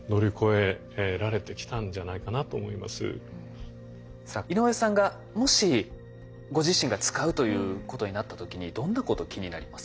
やっぱりさあ井上さんがもしご自身が使うということになった時にどんなこと気になりますか？